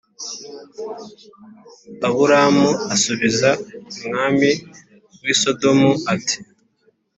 Aburamu asubiza umwami w i Sodomu ati